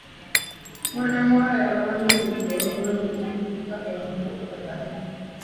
Mwana muwala yabanjulidde omwami omuvubuka embulakalevu.